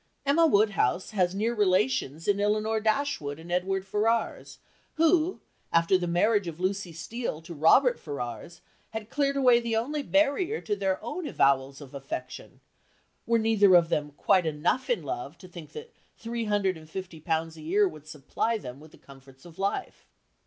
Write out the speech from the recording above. Emma Woodhouse has near relations in Elinor Dashwood and Edward Ferrars, who, after the marriage of Lucy Steele to Robert Ferrars had cleared away the only barrier to their own avowals of affection, "were neither of them quite enough in love to think that three hundred and fifty pounds a year would supply them with the comforts of life."